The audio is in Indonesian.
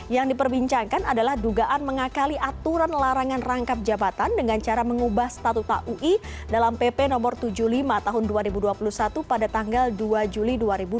yang diperbincangkan adalah dugaan mengakali aturan larangan rangkap jabatan dengan cara mengubah statuta ui dalam pp no tujuh puluh lima tahun dua ribu dua puluh satu pada tanggal dua juli dua ribu dua puluh